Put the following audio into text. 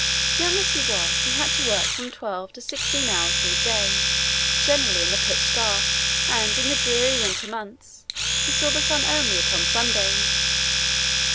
Young as he was he had to work from twelve to sixteen hours in the day, generally in the pitch dark, and in the dreary winter months he saw the sun only upon Sundays.